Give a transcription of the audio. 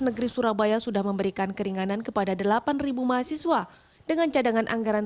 negeri surabaya sudah memberikan keringanan kepada delapan mahasiswa dengan cadangan anggaran